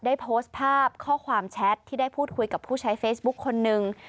ได้โพสต์ภาพข้อความแชทที่ได้พูดคุยกับผู้ใช้เฟซบุ๊คคนนึง